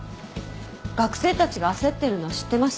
学生たちが焦ってるのは知ってます。